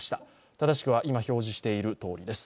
正しくは今、表示しているとおりです。